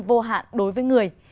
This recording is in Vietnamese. vô hạn đối với người